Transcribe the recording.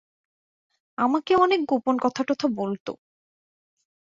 আমাকে অনেক গোপন কথাটথা বলত।